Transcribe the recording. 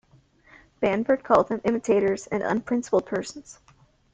Banvard called them imitators and "unprincipled persons".